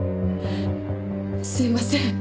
すいません。